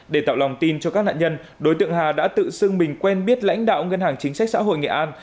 để tạo lòng tin cho các nạn nhân đối tượng hà đã tự xưng mình quen biết lãnh đạo ngân hàng chính sách xã hội nghệ an